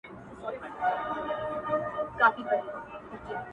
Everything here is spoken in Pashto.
هله تياره ده په تلوار راته خبري کوه.